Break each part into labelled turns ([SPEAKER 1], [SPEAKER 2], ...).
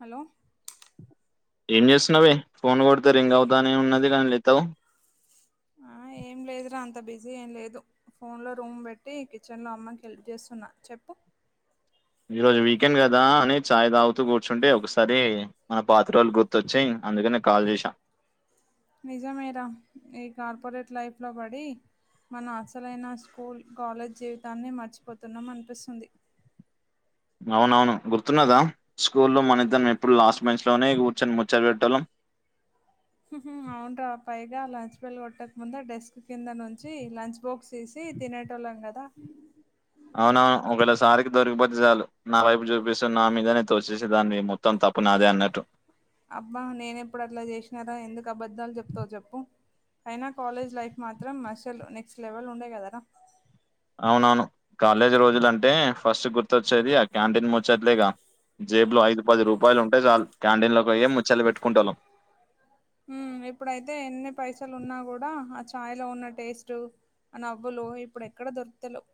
[SPEAKER 1] hello
[SPEAKER 2] ఏం చేస్తున్నావవే phone కొడితే రింగ్ అవుతానే ఉన్నది కాని ఎత్తవ్
[SPEAKER 1] ఆ ఏం లేదురా అంత బిజీ ఏం లేదు ఫోన్లో రూమ్ పెట్టి కిచెన్లో అమ్మకి హెల్ప్ చేస్తున్నా చెప్పు
[SPEAKER 2] ఈ రోజు వీకెండ్ కదా అని ఛాయ్ తాగుతూ కూర్చుంటే ఒకసారి మన పాత రోజులు గుర్థోచి అందుకనే కాల్ చేసా
[SPEAKER 1] నిజంమేరా ఈ కార్పొరేట్ లైఫ్ లో పడి మన అసలైన స్కూల్ కాలేజ్ జీవితాన్ని మర్చిపోతున్నాం అనిపిస్తుంది
[SPEAKER 2] అవునవును గుర్తున్నదా స్కూల్ల్లో మన ఇద్దరం ఎప్పుడు లాస్ట్ బెంచ్ లోనే కూర్చొని ముచ్చట్లు పెట్టేటోళ్ళం
[SPEAKER 1] అవునురా పైగా లంచ్ బెల్ కొట్టక ముందే డెస్క్ కింద నుంచి లంచ్ బాక్స్ తీసి తినేటోళ్ళం కదా
[SPEAKER 2] అవునవును ఒకవేళసార్కి దొరికిపోతే చాలు నా వైపు చూపిస్తు నా మీదనే తోసేసేదానివి మొత్తం త ప్పు నాదే అన్నట్టు
[SPEAKER 1] అబ్బా నేనేప్పుడు అట్లా చేసినారా ఎందుకు అబద్ధాలు చెప్తావు చెప్పు అయినా కాలేజ్ లైఫ్ మాత్రం మషల్ నెక్స్ట్ లెవెల్ ఉండే కదరా
[SPEAKER 2] అవునవును కాలేజ్ రోజులు అంటే ఫస్ట్ గుర్తొచ్చేది ఆ క్యాంటీన్ ముచ్చట్లేగా జేబులో ఐదు పది రూపాయలు ఉంటే చాలు క్యాంటీన్లకి పొయ్యే ముచ్చట్లు పెట్టుకునేట్లోళ్ళం
[SPEAKER 1] మ్ ఇప్పుడైతే ఎన్ని పైసలు ఉన్నా కూడా ఆ చాయ్ లో ఉన్న టేస్ట్ అ నవ్వులు ఇప్పుడు ఎక్కడ దొరుకుతలెవ్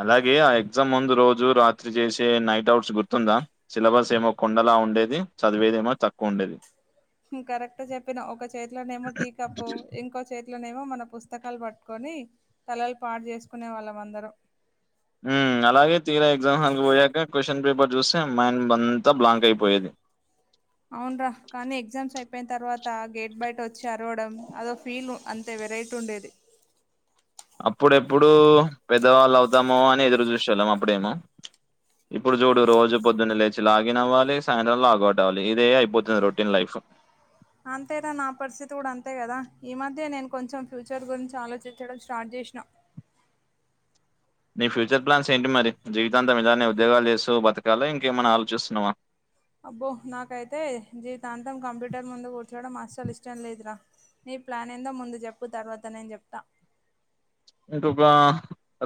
[SPEAKER 2] అలాగే ఆ ఎగ్జామ్ ముందు రోజు రాత్రి చేసే నైట్ అవుట్స్ గుర్తుందా సిలబస్ ఏమో కొండలా డేది చదివేదిేమో తక్కువ ఉండేది
[SPEAKER 1] కరెక్ట్ చెప్పినవ్ ఒక చేతిలోనేమో టీకప్పు ఇంకో చేతిలోనేమో మన పుస్తకాలు పట్టుకొని తలలు పాటు చేసుకునే వాళ్ళం అందరం
[SPEAKER 2] ఉమ్, అలాగే చూస్టే మైండ్ అంతా బ్లాంక్ అయిపోయేది
[SPEAKER 1] అవును రా కానీ ఎగ్జామ్స్ అయిపోయిన తర్వాత అ గేట్ బయట వచ్చి అరవడం అదో ఫీల్ అంతే వెరైటీ ఉండేది
[SPEAKER 2] అప్పుడెప్పుడు పెద్దవాళ్ళు అవుతాముో అని ఎదురు చూసే వెళ్ళం అప్పుడేమో ఇప్పుడు చూడు రోజు పొద్దున్నే లేచి లాగిన్ అవ్వాలి సాయంత్రం లాగవుట్ అవ్వలి ఇదే అయిపోతుంది రొటీన్ లైఫ్
[SPEAKER 1] అంతేరా నా పరిస్థితి కూడా అంతే కదా ఈ మద్యే నేను కొంచెం ఫ్యూచర్ గురించి ఆలోచించడం స్టార్ట్ చేస్ ష్న
[SPEAKER 2] నీ ఫ్యూచర్ ప్లాన్స్ ఏంటి మరి జీవితాంతం ఇలానే ఉద్యోగాలు చేస్తు బతకాల ఇంకేమైన్నా ఆలోచిస్తున్నావా
[SPEAKER 1] అబ్బో నాకైతే జీవితాంతం కంప్యూటర్ ముందు కూర్చోవడం అస్సలు ఇష్టం లేదురా నీ ప్లాన్ ఏందో ముందు చెప్పు తర్వాత నేను చెప్తా
[SPEAKER 2] ఇంకొక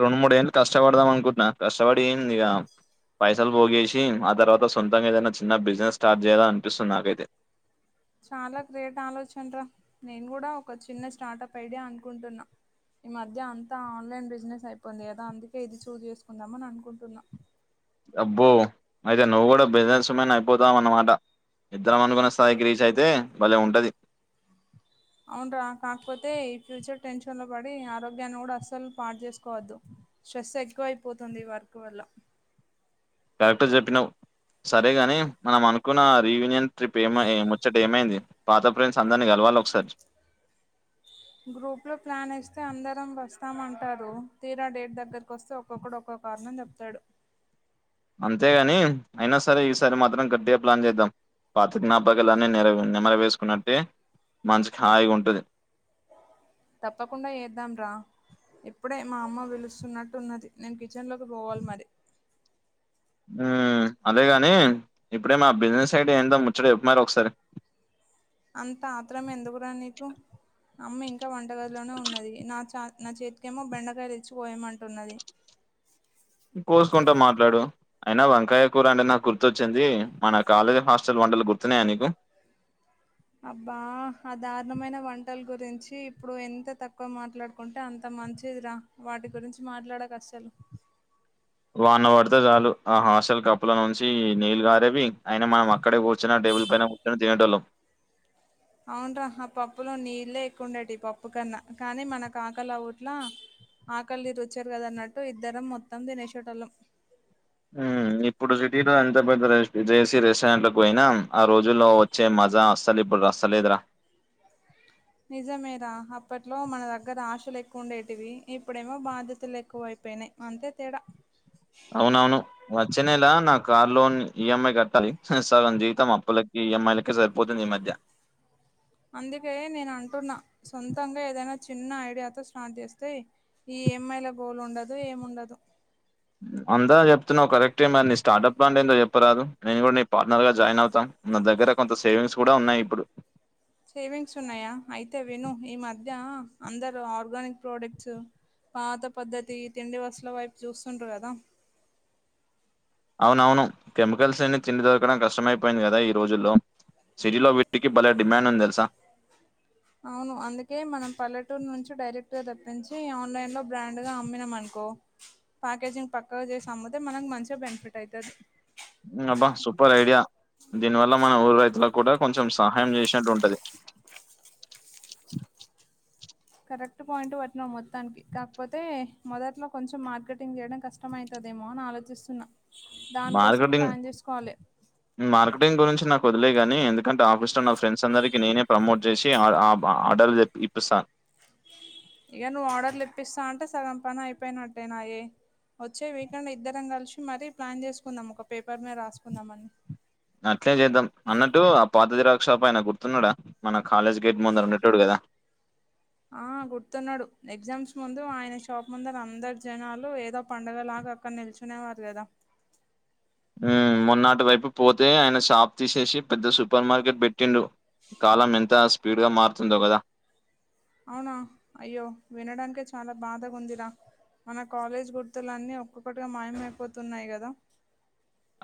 [SPEAKER 2] రెండు మూడు ఏళ్లు కష్టపడుదాం అనుకుంటున్నా కష్టపడి ఏందిగ పైసలు పోగేసి ఆ తర్వాత సొంతంగా ఏదైనా చిన్న బిజినెస్ స్టార్ట్ చేయ్యాలె అనిపిస్తుంది నాకైతే
[SPEAKER 1] చాలా క్రేట్ ఆలోచన రా నేను కూడా ఒక చిన్న స్టార్టప్ ఐడియా అనుకుంటున్నా ఈ మధ్య అంత ఆన్లైన్ బిజినెస్ అయిపోంది కదా అందుకే ఇది చూస్ చేసుకుందామని అనుకుంటున్నా
[SPEAKER 2] డబ్బు అయితే నువ్వు కూడా బిజినెన్స్ వుమెన్ అయిపోదం అనమాట ఇద్దరం అనుకున్న స్థాయికి రీచ్ అయితే భలే ఉంటది
[SPEAKER 1] అవును రా కాకపోతే ఈ ఫ్యూచర్ టెన్షన్ లో పడి ఆరోగ్యాన్ని కూడా అస్సలు పాడు చేసుకోవద్దు స్ట్రెస్ ఎక్కువ అయిపోతుంది వర్క్ వల్ల
[SPEAKER 2] కరెక్టర్ చెప్పినావ్ సరే గాని మనం అనుకున్న రీయూనియన్ ట్రిప్ ఏమ ముచ్చట ఏమైంది పాత ఫ్రెండ్స్ అందర్ని గల వాల ఒకసార్
[SPEAKER 1] గ్రూప్లో ప్లాన్ వేస్తే అందరం వస్తామంటారు తీరా డేట్ దగ్గరకు వస్తే ఒక్కొక్కడు ఒక్కొ కారణం చెప్తాడు
[SPEAKER 2] అంతేగాని అయినా సరే ఈసారి మాత్రం గట్టిగా ప్లాన్ చేద్దాం పాత జ్ఞాపకాలన్నీ నెర నెమర వేసుకున్నట్టే మనసుకి హాయిగుంటది
[SPEAKER 1] తప్పకుండా ఏద్దాం రా ఇప్పుడే మా అమ్మ పిలుస్తున్నట్టున్నది నేను కిచెన్ లోకి పోవాలి మరి
[SPEAKER 2] ఉ అదేగాని ఇప్పుడే మా బిజినెస్ సైడ్ ఏందొ ముచ్చట చెప్పు మరి ఒకసారి
[SPEAKER 1] అంత ఆత్రరమేందుకురా నీకు అమ్మ ఇంకా వంటగదిలోనే ఉన్నది నా చా నా చేతికేమో బెండకాయలు ఇచ్చి కోయమంటున్నది
[SPEAKER 2] కోసుకుంటా మాట్లాడు అయినా వంకాయ కూర అంటే నాకు గుర్తొచ్చింది మన కాలేజ్ హాస్టల్ వంటలు గుర్తున్నాయా నీకు
[SPEAKER 1] అబ్బా ఆ దారుణమైన వంటలు గురించి ఇప్పుడు ఎంత తక్కువ మాట్లాడుకుంటే అంత మంచిది రా వాటి గురించి మాట్లాడకసలు
[SPEAKER 2] [inaudible] వాన పడితే చాలు ఆ హాస్టల్ కప్పుల నుంచి నీళ్లు గారేవి అయిన మనం అక్కడే కూర్చునట్టు టేబుల్ పైన కూర్చుని తినేటోల్లం
[SPEAKER 1] అవున్రా ఆ పప్పులో నీళ్లే ఎక్కువ ఉండేటివి పప్పు కన్నా కానీ మన కాకల ఊట్లా ఆకలి రుచి ఎరగదు అన్నట్టు ఇద్దరం మొత్తం తినేషెట్టోల్లం
[SPEAKER 2] ఇప్పుడు సిటీలో ఎంత పెద్ద జేసీ రెస్టారెంట్ లో పోయినా ఆ రోజుల్లో వచ్చే మా మజా వస్తది ఇప్పుడు వస్తలేద్ర
[SPEAKER 1] నిజమేరా అప్పట్లో మన దగ్గర ఆశలు ఎక్కువ ఉండేటివి ఇప్పుడేమో బాధ్యతలు ఎక్కువై పోనై అంతే తేడ
[SPEAKER 2] అవునవును వచ్చే నెల నా కార్ లోన్ ఈఎంఐ కట్టాలి సగం జీతం అప్పులకి ఈఎంఐ లకే సరిపోతుంది ఈ మధ్య [inaudible]
[SPEAKER 1] అందుకే నేను అంటున్నా సొంతంగా ఏదైనా చిన్న ఐడియాతో స్టార్ట్ చేస్తే ఈ ఈ యం ఐ ల గోడు ఉండదు ఏముండదు
[SPEAKER 2] అందా చెప్తున్నావు కరెక్టే మరి నీ స్టార్టప్ పాంట్ ఏందో చెప్పరాదు నేను కూడా నీ పార్ట్నర్ గా జాయిన్ అవుతాన్ నా దగ్గర కొంత సేవింగ్స్ కూడా ఉన్నాయి ఇప్పుడు
[SPEAKER 1] సేవింగ్స్ ఉన్నాయా అయితే విను ఈ మధ్య అందరూ ఆర్గానిక్ ప్రోడక్ట్స్ పాత పద్ధతి తిండి వసుల వైపు చూస్తుండ కదా
[SPEAKER 2] అవునవును కెమికల్స్ అన్ని తిండి దొరకడం కష్టమైపోయింది కదా ఈ రోజుల్లో సిటీలో వీటికి బలే
[SPEAKER 1] అవును అందుకే మనం పల్లె టూరు నుంచి డైరెక్ట్ గా తెప్పించి ఆన్లైన్ లో బ్రాండ్ గా అమ్మినాం అనుకో ప్యాకేజింగ్ పక్కగా చేసి అమ్మితే మనకు మంచిగా బెనిఫిట్ అయితది
[SPEAKER 2] అబ్బా సూపర్ ఐడియా దీని వల్ల మనం ఊరు రైతులకు కూడా కొంచెం సహాయం చేసినట్టు ఉంటది [inaudible]
[SPEAKER 1] కరెక్ట్ పాయింట్ పట్టినవ్ మొత్తానికి కాకపోతే మొదట్లో కొంచెం మార్కెటింగ్ చేయడం కష్టమైతదేమో అని ఆలోచిస్తున్నా దానికోసం
[SPEAKER 2] మార్కెటింగ్
[SPEAKER 1] ప్లాన్ చేసుకోవాలి
[SPEAKER 2] మార్కెటింగ్ గురించి నాకు వదిలేగాని ఎందుకంటే ఆఫీస్ లో నా ఫ్రెండ్స్ అందరికి నేనే ప్రమోట్ చేసి ఆర్డర్ ఇప్పిస్తాను [inaudible]
[SPEAKER 1] ఇగా నువ్వు ఆర్డర్ లిప్పిస్తా అంటే సగం పని అయిపోయినట్టే నాయే వచ్చే వీకెండ్ ఇద్దరం కలిసి మరీ ప్లాన్ చేసుకుందాం ఒక పేపర్ మీ రాసుకుందాంమని
[SPEAKER 2] అట్లే చేద్దాం అన్నట్టు ఆ పాత జీరోస్ షాప్ ఆయన గుర్తున్నాడా మనకు కాలేజ్ గేట్ ముద్దర ఉండొటోడు కదా
[SPEAKER 1] ఆ గుర్తున్నాడు ఎగ్జామ్స్ ముందు ఆయన షాప్ ముందర అందరు జనాలు ఏదో పండగ లాగా అక్కడ నిల్చునేవారు కదా
[SPEAKER 2] హ్మ్ మొన్నటి వైపు పోతే ఆయన షాప్ తీసేసి పెద్ద సూపర్ మార్కెట్ పెట్టి టిండు కాలం ఎంత స్పీడ్గా మారుతుందో కదా
[SPEAKER 1] అవునా అయ్యో వినడానికే చాలా బాధగా ఉందిరా మన కాలేజ్ గుర్తులన్నీ ఒక్కొక్కటిగా మాయమైపోతున్నాయి కదా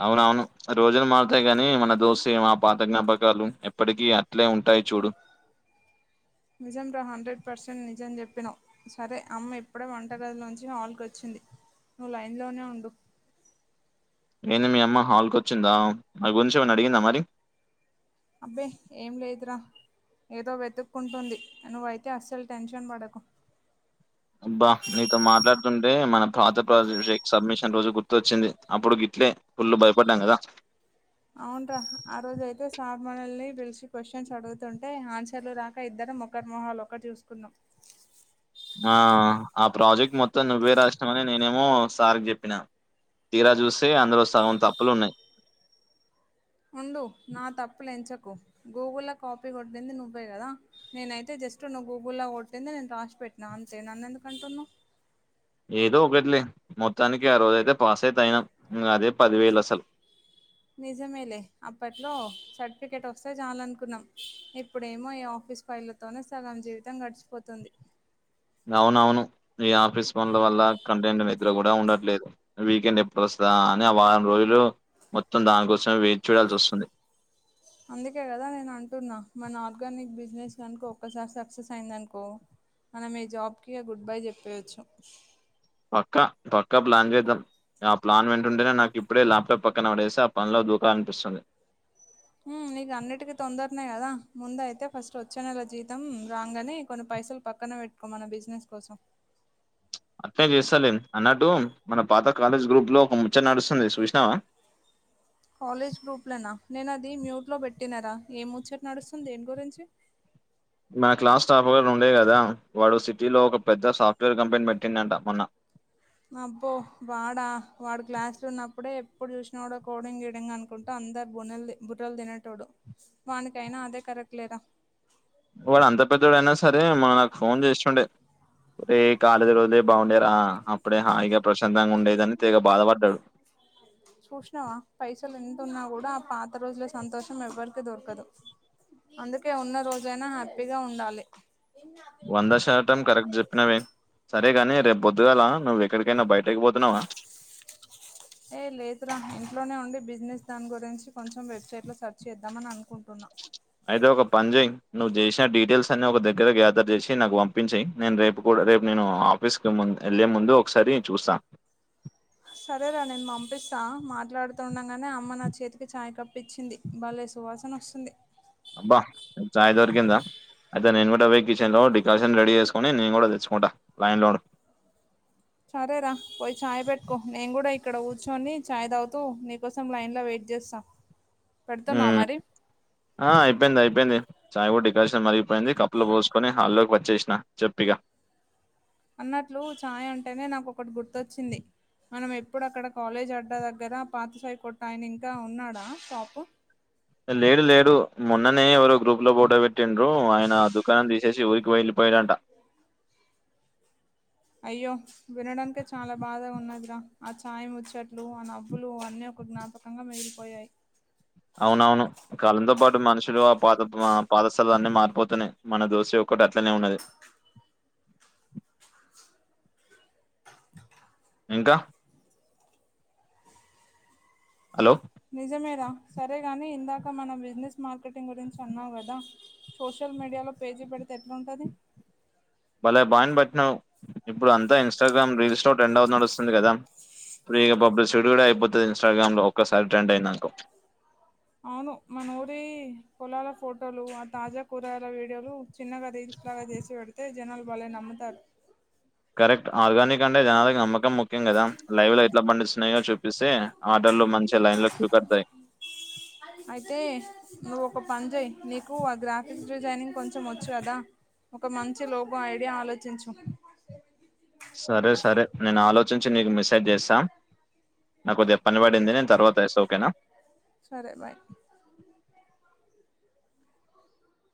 [SPEAKER 2] అవునవును రోజులు మారుతాయి గాని మన దోస్తే మా పాత జ్ఞాపకాలు ఎప్పటికిీ అట్లే ఉంటాయి ఉంటై చూడు
[SPEAKER 1] నిజం రా హండ్రెడ్ పర్సెంట్ నిజం చెప్పినావు సరే అమ్మ ఇప్పుడే వంటగదిల నుంచి హాల్క వచ్చింది నువ్వు లైన్ లోనే ఉండు
[SPEAKER 2] ఏంది మీ అమ్మ హాల్కు వచ్చిందా నా గురించి ఏమనా అడిగిందా మరి
[SPEAKER 1] ఆబ్బె ఏం లేదురా ఏదో వెతుక్కుంటుంది నువ్వైతే అస్సలు టెన్షన్ పడకు
[SPEAKER 2] ఆబ్బా నీతో మాట్లాడుతుంటే మన పాత ప్రజషే సబ్మిషన్ రోజు గుర్తొచ్చింది అప్పుడు గట్ పుల్ బయపడ్డం కదా
[SPEAKER 1] అవును రా ఆ రోజు అయితే సార్ మనల్ని పిలిచి క్వశ్చన్స్ అడుగుతుంటే ఆన్సర్లు రాక ఇద్దరు ఒకరి మొహాలు ఒకరూ చూసుకునం
[SPEAKER 2] ఆ ఆ ప్రాజెక్ట్ మొత్తం నువ్వే రాసినావని నేనేమో సార్కి చెప్పినా తీరా చూస్తే అందులో సగం తప్పులు ఉన్నాయి
[SPEAKER 1] గూగుల్ల కాపీ కొట్టింది నువ్వే కదా నేనయితే జస్ట్ నువ్ గూగుల్ కొట్టింది నేను రాస్ పెట్టినా అంతే నేనేందుకు అంటున్నావ్
[SPEAKER 2] ఏదో ఒకటిలే మొత్తానికి ఆ రోజైతే పాస్ అయితే అయినా ఇంగ అదే పదివేలు అసలు
[SPEAKER 1] నిజమేలే అప్పట్లో సర్టిఫికేట్ వస్తే చాలనుకునం ఇప్పుడేమో ఈ ఆఫ ఆఫస్ ఫైలతోనే సగం జీవితం గడిచిపోతుంది
[SPEAKER 2] అవునవును ఈ ఆఫీస్ ఫోన్ల వల్ల కాంతినిండా నిద్ర కూడా ఉండట్లేదు వీకెండ్ ఎప్పుడు వస్తు అని ఆ వారం రోజులు మొత్తం దానికోసమే వేచి చూడాల్సి వస్తుంది
[SPEAKER 1] అందుకే కదా నేను అంటున్నా మన ఆర్గానిక్ బిజినెస్ అనుకో ఒక్కసారి సక్సెస్ అయిందనుకో మనం ఈ జాబ్కి గుడ్ బై చెప్పేవచ్చు
[SPEAKER 2] పక్క పక్క ప్లాన్ చేదం ఆ ప్లాన్ వింటుంటేనే నాకు ఇప్పుడే ల్యాప్టాప్ పక్కన పడేసి ఆ పనిలో దూకనిపిస్తుంది
[SPEAKER 1] హ్మ్ నీకు అన్నిటికీ తొందరనే కదా ముందు అయితే ఫస్ట్ వచ్చే నెల జీతం రాంగ్ అని కొన్ని ప పైసలు పక్కన పెట్టుకో మన బిజినెస్ కోసం
[SPEAKER 2] అట్లే చేస్తాలే అన్నట్టు మన పాత కాలేజ్ గ్రూప్ లో ఒక ముచ్చ నడుస్తుంది చూసినావా
[SPEAKER 1] కాలేజ్ గ్రూప్ లోనా నేన అది మ్యూట్ లో పెట్టినార ఏం ముచ్చట నడుస్తుంది దేని గురించి
[SPEAKER 2] మన క్లాస్ టాపర్ ఉండే కదా వాడు సిటీలో ఒక పెద్ద సాఫ్ట్వేర్ కంపెనీ పెట్టిండంట మొన్న
[SPEAKER 1] అబ్బో వాడ వాడు క్లాసులో ఉన్నప్పుడే ఎప్పుడు చూసినా కూడా కోడింగ్ గీడింగ్ అనుకుంటా అం అందరు బునల్ బుర్రలు తినేటోడు వాడికయినా అదే కరక్ట్లేర
[SPEAKER 2] వాడు అంత పెద్దోడయినా సరే మ నాకు ఫోన్ చేస్తుండే ఓరే కాలేజ్ రోజు లే బాగుండేరా అప్పుడే హాయిగా ప్రశాంతంగా ఉండేదని తెగ బాధపడ్డాడు
[SPEAKER 1] చూసినావా పైసలు ఎంతున్నా కూడా ఆ పాత రోజుల సంతోషం ఎవ్వరికీ దొరకదు అందుకే ఉన్న రోజుైనా హ్యాపీగా ఉండాలి
[SPEAKER 2] వంద శాతం కరెక్ట్ చెప్పినవే సరే గాని రేపు పోద్దుగాల నువ్వు ఎక్కడికైనా బయటక్
[SPEAKER 1] ఏ లేదురా ఇంట్లోనే ఉండి బిజినెస్ దాని గురించి కొంచెం వెబ్సైట్ లో సర్చ్ చేద్దామని అనుకుం
[SPEAKER 2] అయితే ఒక పని చెయ్ నువ్వు చేసిన డీటెయిల్స్ అన్ని ఒక దగ్గర గ్యాదర్ చేసి నాకు పంపించెయ్ నేను రేపు కూడా రేపు నేను ఆఫీస్ కి ము వెళ్ళే ముందు ఒకసారి చూస్తా
[SPEAKER 1] సరేరా నేను పంపిస్తా మాట్లాడుతుండగానే అమ్మ నా చేతికి చాయ్ కప్పు ఇచ్చింది వాళ్లే సువాసన వస్తుంది
[SPEAKER 2] అబ్బా చాయ్ దొరికిిందా అయితే నేను కూడా పో కిచెన్ లో డికాషన్ రెడీ చేసుకొని నేను కూడా తెచ్చుకుంటా ైన్ లో ఉండు
[SPEAKER 1] సరేరా పోయి ాయ్ పెట్టుకో నేను కూడా ఇక్కడ కూర్చొని చాయ్ తాగుతూ నీకోసం లైన్ లో వెట్ చేస్తా పెడుతున్నావ
[SPEAKER 2] మ్
[SPEAKER 1] మరి
[SPEAKER 2] అ అయిపోయింది అయిపోయింది చాయ కూడా డెకరేషన్ మరి పోయింది కప్పుల పోసుకొని హాల్లోకి వచ్చేసిన చెప్పిగా
[SPEAKER 1] అన్నట్లు ఛాయ్ అంటేనే నాకొటి గుర్తొచ్చింది మనం ఎప్పుడు అక్కడ కాలేజ్ అడ్డ దగ్గర పాత షాప్ కొట్టాయన ఇంకా ఉన్నాడా షాపు
[SPEAKER 2] లేడు లేడు మొన్ననే ఎవరో గ్రూప్ లో ఫోటో పెట్టిండ్రు ఆయన ఆ దుకాణం తీస్ శేసిి ఊరికి వెళ్లిపోయడంట
[SPEAKER 1] అయ్యో వినడానికే చాలా బాధ ఉన్నదిరా ఆ ఛాయ ముచ్చట్లు ఆ నవ్వులు అన్నీ కు జ్ఞాపకంగా మిగిలిపోయాయి
[SPEAKER 2] అవునవును కాలంతో పాటు మనుషులు ఆ పాత పాదశాలు అన్నిీ మారిపోతున్నాయి మన దోశ యొక్ ఒక్కట్లనే ఉన్నది ఇంకా హలో
[SPEAKER 1] నిజమే రా సరే గాని ఇందాక మన బిజినెస్ మార్కెటింగ్ గురించి ఉన్నాం కదా సోషల్ సోషల్ మీడియాలో పేజీ పెడితే ఎట్లా ఉంటది
[SPEAKER 2] భలే పాఇంట్ పట్టినవ్ ఇప్పుడు అంతా ఇన్స్టాగ్రామ్ రీల్స్ లోో ట్రెండ్ అవే నడుస్తుంది కదా ఫ్రీగా పబ్లిసిటీ కూడా అయిపోతది ఇన్స్టాగ్రామ్ లో ఒక్కసారి ట్రెండ్ అయిందనుకో
[SPEAKER 1] అవును మానఊరి పోలాల ఫోటోలు ఆ తాజా కూరాగయల వీడియోలు చిన్నగా రీల్స్లాగా చేసి పెడితే జనాలు బలే నమ్ముతారు
[SPEAKER 2] కరెక్ట్ ఆర్గనిక్ కంటే [unintelligible] ముఖ్యం కదా లైవ్ లో ఎట్లా పండిస్తున్నాయో చూపిస్తే ఆడర్లు మంచిగా లైన్ లో క్ూక్డతాయి
[SPEAKER 1] అయితే నువ్ ఒక పనిచెయ్ కు నఆ గ్రాఫిక్స్ డిజైనింగ్ కొంచెం వచ్చు కదా ఒక మంచి లోగో ఐడియా ఆలోచించు
[SPEAKER 2] సరే సరే నేను ఆలోచించి నీకు మెసేజ్ చేస్తా నాకు కొద్దిగా పని పడింది నేను తర్వాత చేస్తా ఓకేనా
[SPEAKER 1] సరే బాయ్